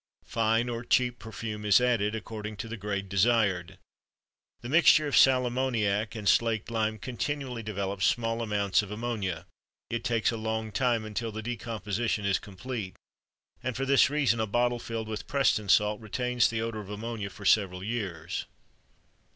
Fine or cheap perfume is added, according to the grade desired. The mixture of sal ammoniac and slaked lime continually develops small amounts of ammonia—it takes a long time until the decomposition is complete, and for this reason a bottle filled with Preston salt retains the odor of ammonia for several years.